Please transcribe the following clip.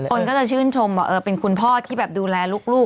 คนก็จะชื่นชมว่าเป็นคุณพ่อที่แบบดูแลลูก